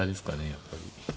やっぱり。